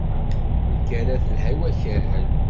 Lgerra telha i wakal.